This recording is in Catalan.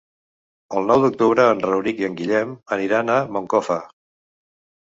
El nou d'octubre en Rauric i en Guillem aniran a Moncofa.